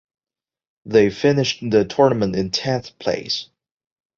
They finished the tournament in tenth place.